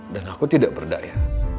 dan aku tidak berdaya